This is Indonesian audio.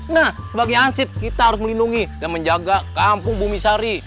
nah sebagai ansib kita harus melindungi dan menjaga kampung bumisari